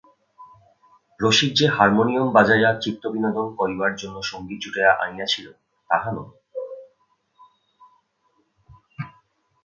রসিক যে হার্মোনিয়ম বাজাইয়া চিত্তবিনোদন করিবার জন্য সঙ্গী জুটাইয়া আনিয়াছিল তাহা নহে।